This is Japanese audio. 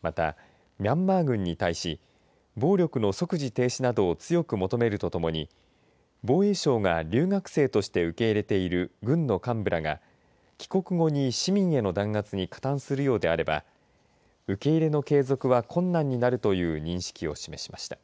また、ミャンマー軍に対し暴力の即時停止などを強く求めるとともに防衛省が留学生として受け入れている軍の幹部らが帰国後に市民への弾圧に加担するようであれば受け入れの継続は困難になるという認識を示しました。